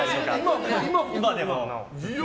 今でも。